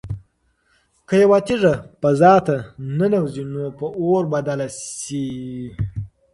که یوه تیږه فضا ته ننوځي نو په اور بدله شي.